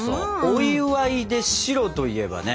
お祝いで白といえばね